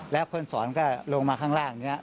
แล้วคนสอนก็ลงมาข้างล่างอย่างนี้